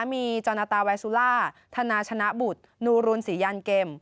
มีจอนาตาแวซูล่าธนาชนะบุตรนูรุนศรียันเกม